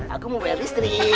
aku mau bayar listrik